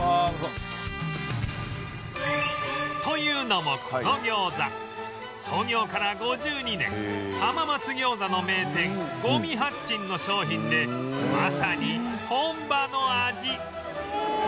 というのもこの餃子創業から５２年浜松餃子の名店五味八珍の商品でまさに本場の味